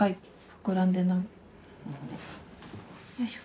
膨らんでない。